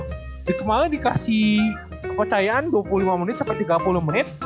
jadi kemarin dikasih kepercayaan dua puluh lima menit sampai tiga puluh menit